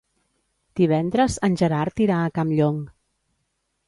Divendres en Gerard irà a Campllong.